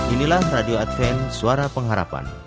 inilah radio attain suara pengharapan